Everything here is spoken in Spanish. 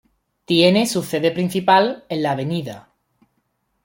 Tiene su sede principal en la Av.